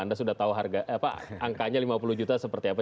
anda sudah tahu angkanya lima puluh juta seperti apa